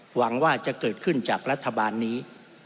หวังว่าจะเกิดขึ้นจากรัฐบาลนี้